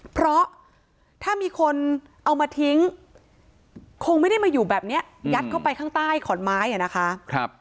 เพราะถ้ามีคนเอามาทิ้งคงไม่ได้มาอยู่แบบนี้ยัดเข้าไปข้างใต้ขอนไม้อ่ะนะคะ